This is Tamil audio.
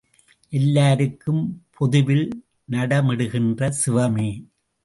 எல்லாருக்கும் பொதுவில்நடமிடுகின்ற சிவமே!